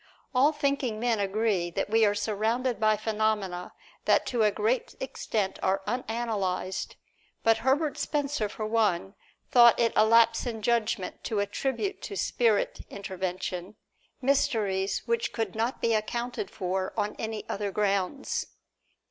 All thinking men agree that we are surrounded by phenomena that to a great extent are unanalyzed; but Herbert Spencer, for one, thought it a lapse in judgment to attribute to spirit intervention, mysteries which could not be accounted for on any other grounds.